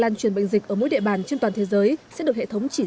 đang truyền bệnh dịch ở mỗi địa bàn trên toàn thế giới sẽ được hệ thống chỉ rõ